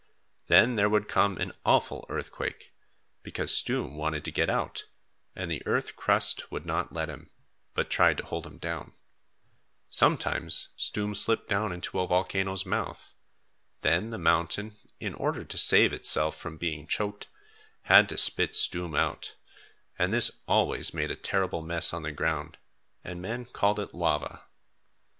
Then there would come an awful earthquake, because Stoom wanted to get out, and the earth crust would not let him, but tried to hold him down. Sometimes Stoom slipped down into a volcano's mouth. Then the mountain, in order to save itself from being choked, had to spit Stoom out, and this always made a terrible mess on the ground, and men called it lava.